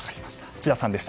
智田さんでした。